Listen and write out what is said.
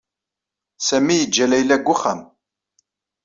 Sami yeǧǧa Layla deg uxxam.